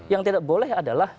yang tidak boleh adalah